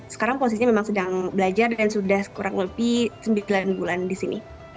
sekarang posisinya memang sedang belajar dan sudah kurang lebih sembilan bulan di sini